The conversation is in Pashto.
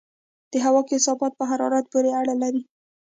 د هوا کثافت په حرارت پورې اړه لري.